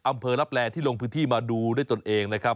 อำเภอลับแลที่ลงพื้นที่มาดูด้วยตนเองนะครับ